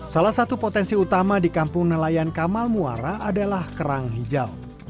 salah satu potensi utama di kampung nelayan kamal muara adalah kerang hijau